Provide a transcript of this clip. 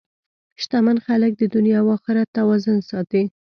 شتمن خلک د دنیا او اخرت توازن ساتي.